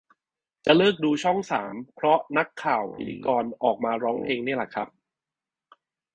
จะเลิกดูช่องสามเพราะนักข่าวพิธีกรออกมาร้องเพลงนี่แหละครับ